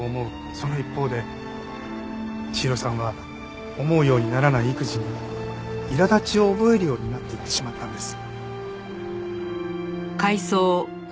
その一方で千尋さんは思うようにならない育児にいら立ちを覚えるようになっていってしまったんです。